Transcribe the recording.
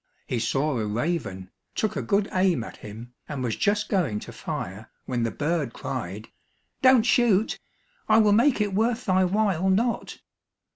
He saw a raven, took a good aim at him, and was just going to fire, when the bird cried, "Don't shoot; I will make it worth thy while not."